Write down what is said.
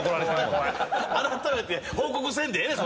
あらためて報告せんでええねん！